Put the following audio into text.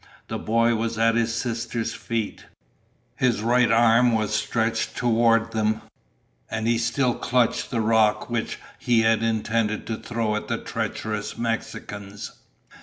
The boy was at his sisters' feet. His right arm was stretched toward them, and he still clutched the rock which he had intended to throw at the treacherous Mexicans.